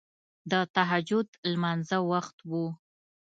د تهجد لمانځه وخت وو.